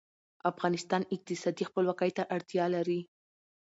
افغانستان اقتصادي خپلواکۍ ته اړتیا لري